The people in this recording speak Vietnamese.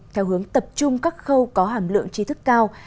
theo hướng tập trung các khâu có hàm lượng chi thức cao